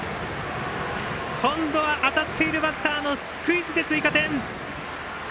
今度は当たっているバッターのスクイズで追加点！